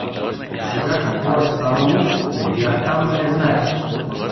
Сега какво е станало, не бях там, не зная.